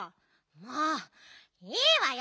もういいわよ！